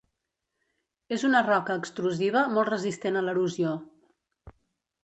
És una roca extrusiva molt resistent a l'erosió.